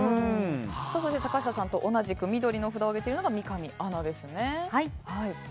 そして、坂下さんと同じく緑の札を上げているのが三上アナです。